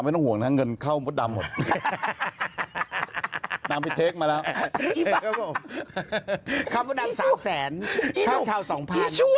ไม่ต้องห่วงจำทางเงินเข้าพ